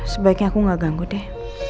sebaiknya aku gak ganggu deh